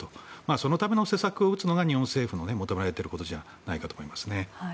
そのための政策を打つのが日本政府の求められていることではと思いますね。